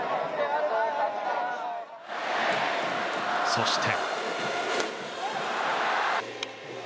そして。